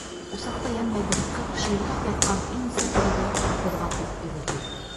Усаҡта янмай быҫҡып, шыйылдап ятҡан туң сытырҙы ҡуҙғатып өрҙө.